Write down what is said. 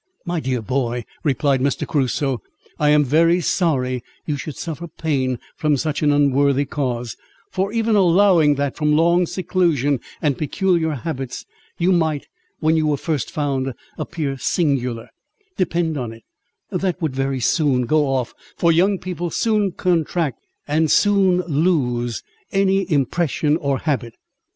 "My dear boy," replied Mr. Crusoe, "I am very sorry you should suffer pain from such an unworthy cause, for even allowing, that from long seclusion and peculiar habits, you might (when you were first found) appear singular, depend upon it, that would very soon go off, for young people soon contract and soon lose any impression or habit.